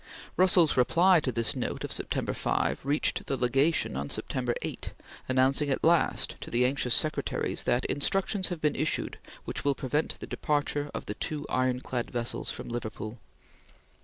Russell's reply to this note of September 5 reached the Legation on September 8, announcing at last to the anxious secretaries that "instructions have been issued which will prevent the departure of the two ironclad vessels from Liverpool."